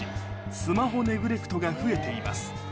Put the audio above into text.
スマホネグレクトが増えています